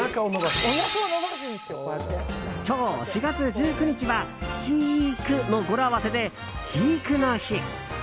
今日４月１９日はシ・イ・クの語呂合わせで飼育の日！